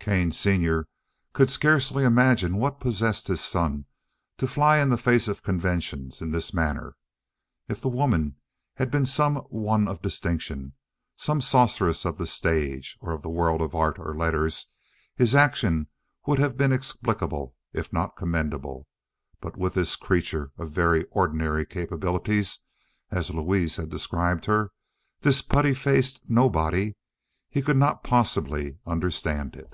Kane senior could scarcely imagine what possessed his son to fly in the face of conventions in this manner. If the woman had been some one of distinction—some sorceress of the stage, or of the world of art, or letters, his action would have been explicable if not commendable, but with this creature of very ordinary capabilities, as Louise had described her, this putty faced nobody—he could not possibly understand it.